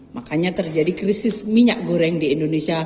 makanya terjadi krisis minyak goreng di indonesia